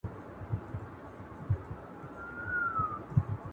نور په رسمي مجلسونو کې هم عکس نه اخلي